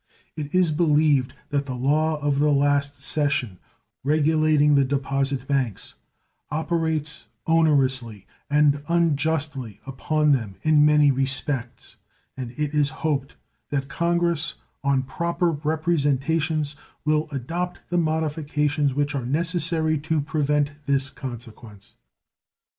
It is believed that the law of the last session regulating the deposit banks operates onerously and unjustly upon them in many respects, and it is hoped that Congress, on proper representations, will adopt the modifications which are necessary to prevent this consequence.